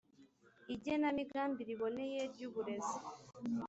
igenamigambi riboneye ry uburezi